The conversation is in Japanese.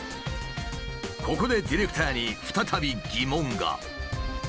ここでディレクターに再び疑問が。